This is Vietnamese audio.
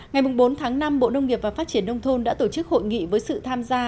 ngày bốn tháng năm bộ nông nghiệp và phát triển nông thôn đã tổ chức hội nghị với sự tham gia